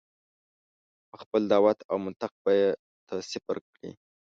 په خپل دعوت او منطق به یې ته صفر کړې.